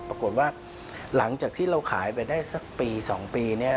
ปรากฏว่าหลังจากที่เราขายไปได้สักปี๒ปีเนี่ย